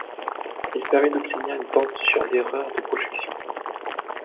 Il permet d'obtenir une borne sur l'erreur de projection.